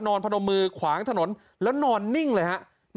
นอนพนมมือขวางถนนแล้วนอนนิ่งเลยครับ